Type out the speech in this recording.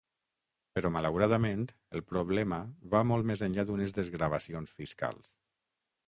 Però, malauradament, el problema va molt més enllà d’unes desgravacions fiscals.